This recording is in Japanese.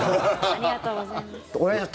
ありがとうございます。